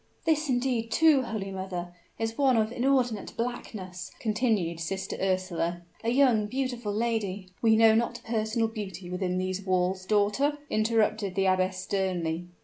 "This indeed, too, holy mother, is one of inordinate blackness," continued Sister Ursula. "A young and beautiful lady " "We know not personal beauty within these walls, daughter," interrupted the abbess, sternly.